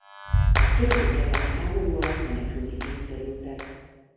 A törökök elleni háború alatt menekülni kényszerültek.